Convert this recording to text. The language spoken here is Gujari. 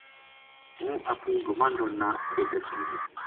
ہوں اپنی گماہنڈن نا بے دسوں گی